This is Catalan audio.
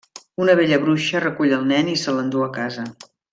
Una vella bruixa recull el nen i se l'endú a casa.